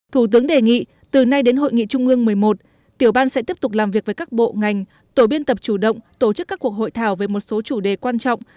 thủ tướng đề nghị từ nay đến hội nghị trung ương một mươi một tiểu ban sẽ tiếp tục làm việc với các bộ ngành tổ biên tập chủ động tổ chức các cuộc hội thảo về một số chủ đề quan trọng